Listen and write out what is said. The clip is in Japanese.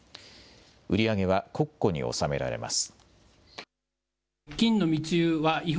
売り上げは国庫に納められます。